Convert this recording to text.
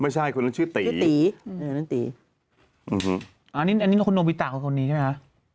ไม่ใช่คนนั้นชื่อตีอันนี้คือคุณนูบีตะคนนี้ใช่ไหมฮะ